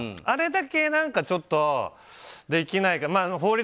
あれだけ何かちょっとできないかなと。